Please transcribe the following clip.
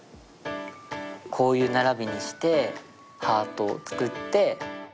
こういう並びにしてハートを作って。